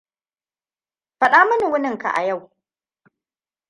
Faɗa mini wunin ka a yau.